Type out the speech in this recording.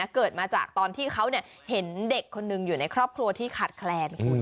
เกิดมาจากตอนที่เขาเห็นเด็กคนหนึ่งอยู่ในครอบครัวที่ขาดแคลนคุณ